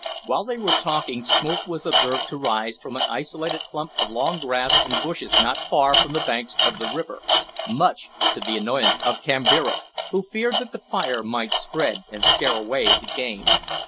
While they were talking, smoke was observed to rise from an isolated clump of long grass and bushes not far from the banks of the river, much to the annoyance of Kambira, who feared that the fire might spread and scare away the game.